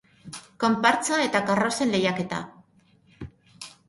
Konpartsa eta karrozen lehiaketa.